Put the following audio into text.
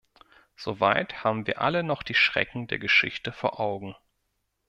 Soweit haben wir alle noch die Schrecken der Geschichte vor Augen.